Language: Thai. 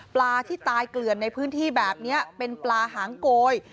ปลาที่ตายเกลื่อนในพื้นที่แบบนี้เป็นปลาหางโกย